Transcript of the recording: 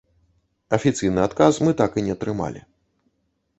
Афіцыйны адказ мы так і не атрымалі.